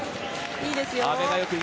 いいですよ。